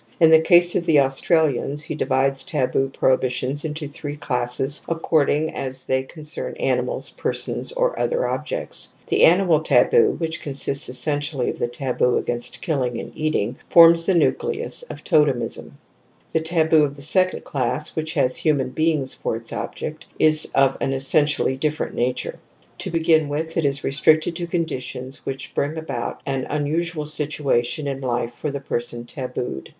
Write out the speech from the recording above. In the case of the Australians he divides taboo prohibitions into three^classesuw^pording a^ they L^ concern aninmls^ perswhs or om^ objects* "j The ^ animaltaboo, which consists essentially of the taboo against killing and eating, forms the nucleus pf Totemism •. The taboo of the second class, which has human beings for its object, is of an essentially different nature. To begin with it is restricted to conditions which bring about an unusual situation in life for the person tabooed.